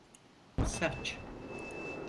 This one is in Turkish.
Saç…